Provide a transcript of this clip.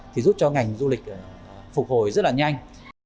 thì giúp cho ngành du lịch phục hồi rất là nhanh